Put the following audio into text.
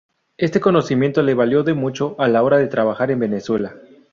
Este conocimiento le valió de mucho a la hora de trabajar en Venezuela.